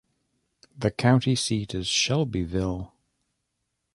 The county seat is Shelbyville.